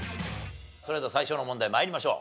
それでは最初の問題参りましょう。